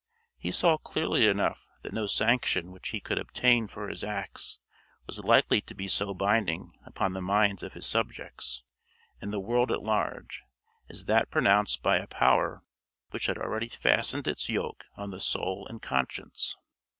He saw clearly enough that no sanction which he could obtain for his acts was likely to be so binding upon the minds of his subjects, and the world at large, as that pronounced by a power which had already fastened its yoke on the soul and conscience.